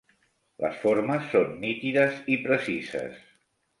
Les formes són nítides i precises.